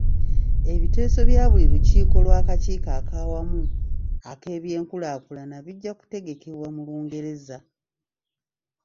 Ebiteeso bya buli lukiiko lw'akakiiko ak'awamu ak'ebyenkulaakulana bijja kutegekebwa mu Lungereza.